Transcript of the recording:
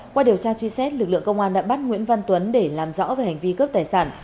qua điều tra truy xét lực lượng công an đã bắt nguyễn văn tuấn để làm rõ về hành vi cướp tài sản